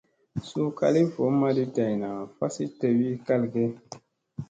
Suu kali voo maɗii dayna fasii tewii kalge ?